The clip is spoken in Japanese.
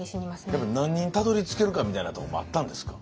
やっぱり何人たどりつけるかみたいなとこもあったんですか？